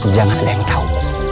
jangan ada yang tahu